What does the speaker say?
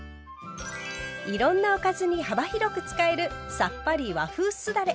いろんなおかずに幅広く使えるさっぱり和風酢だれ。